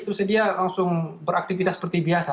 terus dia langsung beraktivitas seperti biasa